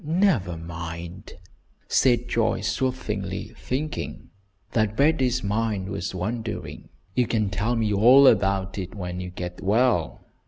never mind!" said Joyce, soothingly, thinking that Betty's mind was wandering. "You can tell me all about it when you get well."